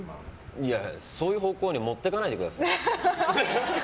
いや、そういう方向に持っていかないでください。